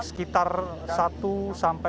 sekitar satu sampai satu